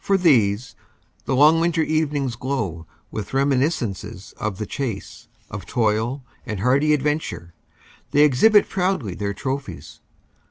For these the long winter evenings glow with reminis cences of the chase, of toil and hardy adventure ; they exhibit proudly their trophies.